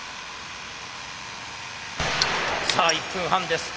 さあ１分半です。